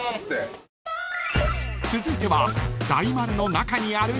［続いては］